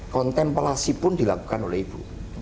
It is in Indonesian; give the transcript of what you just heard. kontemplasi pun dilakukan oleh ibu